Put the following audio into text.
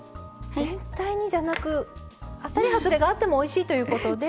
全体にじゃなく当たり外れがあってもおいしいということで。